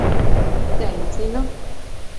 Tencinu.